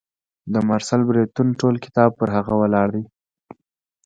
د مارسل بریون ټول کتاب پر هغه ولاړ دی.